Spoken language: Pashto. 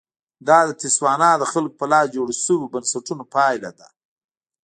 دا د تسوانا د خلکو په لاس جوړ شویو بنسټونو پایله ده.